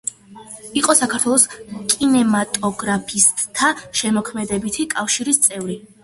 იყო საქართველოს კინემატოგრაფისტთა შემოქმედებითი კავშირის წევრი.